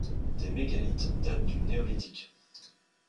Des mégalithes datent du Néolithique.